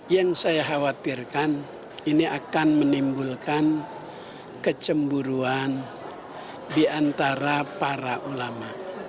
yang saya khawatirkan ini akan menimbulkan kecemburuan di antara para ulama